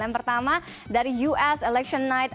yang pertama dari us election night